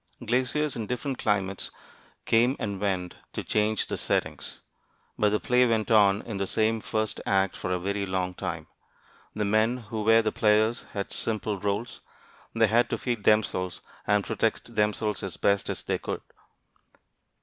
Glaciers and different climates came and went, to change the settings. But the play went on in the same first act for a very long time. The men who were the players had simple roles. They had to feed themselves and protect themselves as best they could.